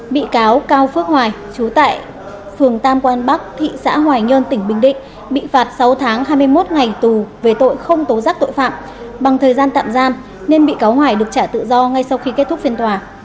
bị cáo cao phước hoài chú tại phường tam quan bắc thị xã hoài nhơn tỉnh bình định bị phạt sáu tháng hai mươi một ngày tù về tội không tố giác tội phạm bằng thời gian tạm giam nên bị cáo hoài được trả tự do ngay sau khi kết thúc phiên tòa